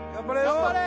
頑張れ！